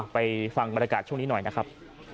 ไปฟังบรรยากาศช่วงนี้หน่อยนะครับ